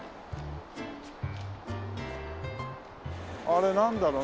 あれなんだろう？